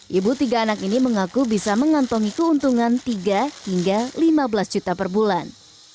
ibu tiga anak ini mengaku bisa mengantongi keuntungan tiga hingga lima belas juta per bulan